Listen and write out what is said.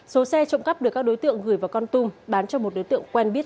số xe trộm cắp được các đối tượng gửi vào con tum bán cho một đối tượng quen biết